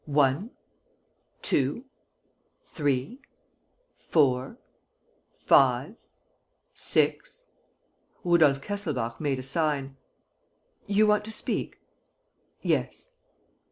One, two, three, four, five, six ..." Rudolph Kesselbach made a sign. "You want to speak?" "Yes."